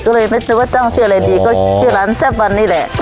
ก็เลยไม่ทนว่าต้องชื่ออะไรดีก็ชื่อชื่อร้านแซ่บวันนี่แหละอ่า